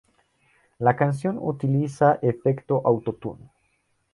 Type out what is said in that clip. La canción utiliza efecto auto-tune.